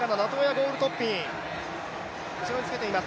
ゴウルトッピン後ろにつけてます。